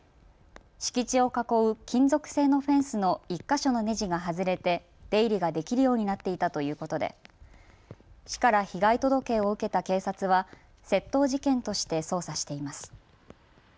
敷地を囲う金属製のフェンスの１か所のねじが外れて出入りができるようになっていたということで市から被害届を受けた警察は窃盗事件として捜査しています。